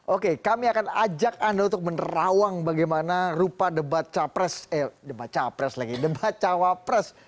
oke kami akan ajak anda untuk menerawang bagaimana rupa debat capres eh debat capres lagi debat cawapres